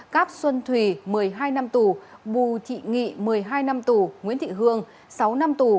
cáp xuân thùy một mươi hai năm tù bùi thị nghị một mươi hai năm tù nguyễn thị hương sáu năm tù